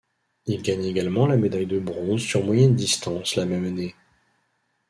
Il gagne également la médaille de bronze sur moyenne distance la même année.